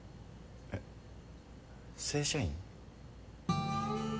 えっ正社員？